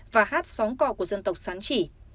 và hát sóng co của dân tộc sán chỉ